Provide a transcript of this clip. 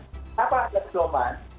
kenapa ada pedoman